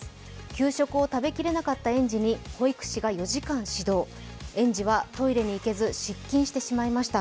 給食を食べきれなかった園児に保育士が４時間指導園児はトイレに行けず失禁してしまいました。